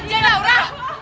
diam aja nora